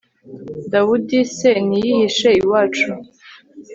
dawudi se, ntiyihishe iwacu